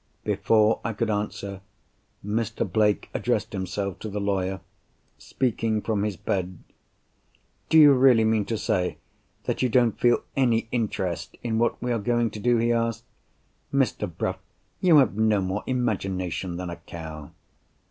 Before I could answer, Mr. Blake addressed himself to the lawyer, speaking from his bed. "Do you really mean to say that you don't feel any interest in what we are going to do?" he asked. "Mr. Bruff, you have no more imagination than a cow!"